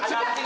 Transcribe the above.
ada apa sih